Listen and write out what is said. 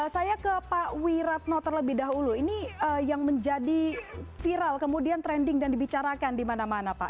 saya ke pak wiratno terlebih dahulu ini yang menjadi viral kemudian trending dan dibicarakan di mana mana pak